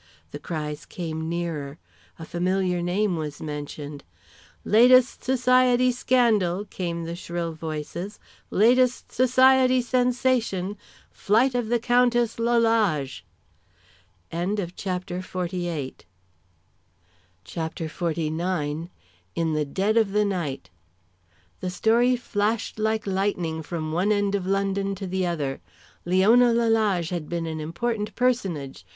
The cries came nearer; a familiar name was mentioned. "Latest society scandal!" came the shrill voices. "Latest society sensation! Flight of the Countess Lalage!" CHAPTER XLIX. IN THE DEAD OF THE NIGHT. The story flashed like lightning from one end of London to the other. Leona Lalage had been an important personage.